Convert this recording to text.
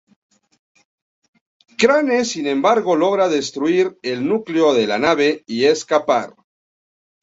Crane sin embargo logra destruir el núcleo de la nave y escapar.